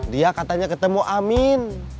dia katanya ketemu amin